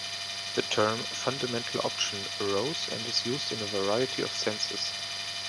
The term "fundamental option" arose and is used in a variety of senses.